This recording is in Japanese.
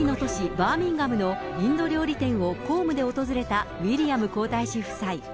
バーミンガムのインド料理店を公務で訪れた、ウィリアム皇太子夫妻。